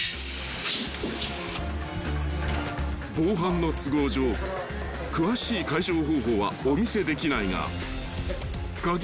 ［防犯の都合上詳しい解錠方法はお見せできないが鍵開け